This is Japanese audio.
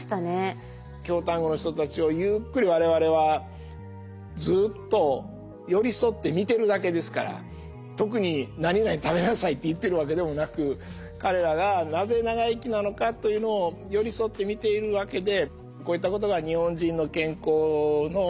京丹後の人たちをゆっくり我々はずっと寄り添って見てるだけですから特に「なになに食べなさい」って言ってるわけでもなく彼らがなぜ長生きなのかというのを寄り添って見ているわけで。